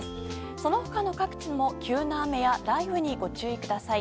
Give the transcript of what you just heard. その他の各地も急な雨や雷雨にご注意ください。